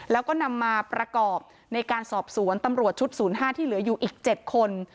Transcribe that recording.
แล้วก็นำมาประกอบในการสอบสวนตำรวจชุด๐๕ที่เหลืออยู่อีก๗คน